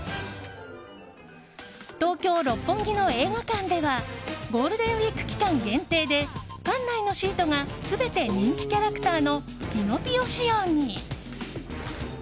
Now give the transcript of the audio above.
東京・六本木の映画館ではゴールデンウィーク期間限定で館内のシートが全て人気キャラクターのキノピオ仕様に。